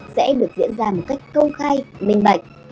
sẽ được diễn ra một cách công khai minh bạch